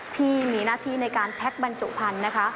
ที่มีหน้าที่ในการแพ็คบรรจุพันธุ์นะคะ